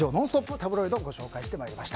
タブロイドご紹介してまいりました。